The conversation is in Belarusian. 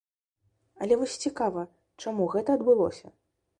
Але вось цікава, чаму гэта адбылося?